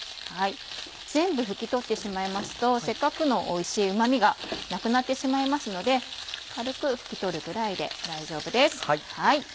全部拭き取ってしまいますとせっかくのおいしいうま味がなくなってしまいますので軽く拭き取るぐらいで大丈夫です。